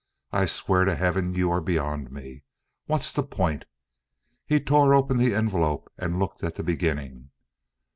"I swear to heaven you are beyond me. What's the point?" He tore open the envelope and looked at the beginning.